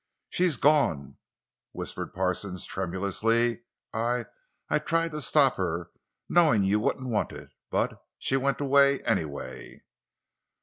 "She's gone," whispered Parsons tremulously. "I—I tried to stop her, knowing you wouldn't want it, but—she went away—anyway."